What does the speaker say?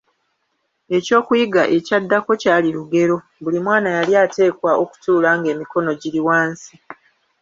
Eky'okuyiga ekyaddako kyali lugero, buli mwana yali ateekwa okutuula ng'emikono giri wansi.